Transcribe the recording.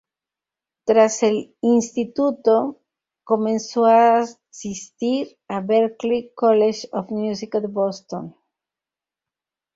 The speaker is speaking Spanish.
Tras el instituto, comenzó a asistir al Berklee College of Music de Boston.